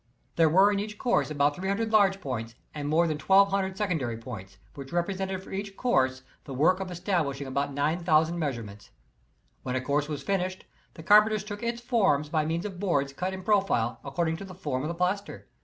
There were in each course about 300 large points and more than 1,200 secondary points, which represented for each course, the work of establishing about 9,000 measurements. When a course was finished the carpenters took its forms by means of boards cut in profile, according to the form of the plaster.